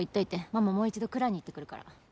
「ママもう一度蔵に行ってくるから」